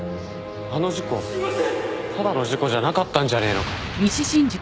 あの事故ただの事故じゃなかったんじゃねえのかって。